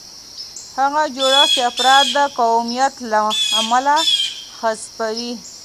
هغه جوړښت چې افراد د قومیت له امله حذفوي.